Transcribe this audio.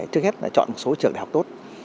trước hết là chọn một số trường đại học tốt